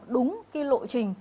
đúng cái lộ trình